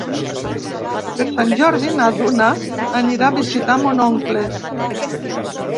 Per Sant Jordi na Duna anirà a visitar mon oncle.